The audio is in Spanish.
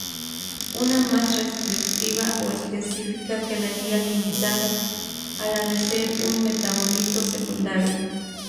Una más restrictiva o específica quedaría limitada a la de ser un metabolito secundario.